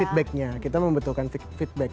feedbacknya kita membutuhkan feedback